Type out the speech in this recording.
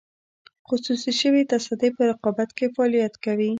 خصوصي شوې تصدۍ په رقابت کې فعالیت کوي.